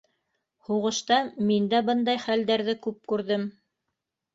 Һуғышта мин дә бындай хәлдәрҙе күп күрҙем.